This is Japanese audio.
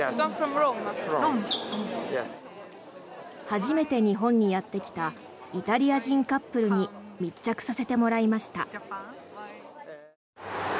初めて日本にやってきたイタリア人カップルに密着させてもらいました。